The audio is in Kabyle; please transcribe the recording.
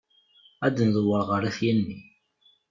Ad ndewwer ɣer At Yanni.